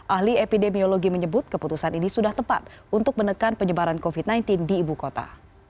ahli epidemiologi menyebut keputusan ini sudah tepat untuk menekan penyebaran covid sembilan belas di ibu kota